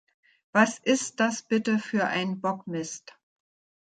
Was ist das bitte für ein Bockmist?